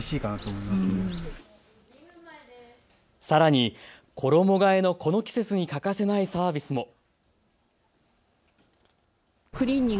さらに衣がえのこの季節に欠かせないサービスも。